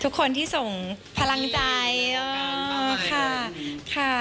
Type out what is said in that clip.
ทุกคนที่ที่ส่งพันธ์เพลิงใจ